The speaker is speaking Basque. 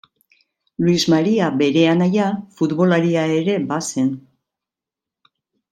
Luis Maria bere anaia futbolaria ere bazen.